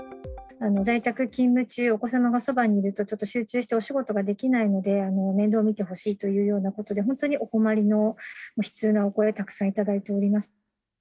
在宅勤務中、お子様がそばにいると、ちょっと集中してお仕事ができないので、面倒を見てほしいというようなことで、本当にお困りの悲痛なお声、たくさん頂いております。